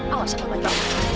awas aku bantu